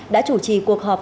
đã chủ trì cuộc họp